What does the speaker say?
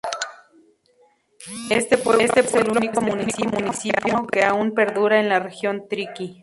Este pueblo es el único municipio que aún perdura en la región triqui.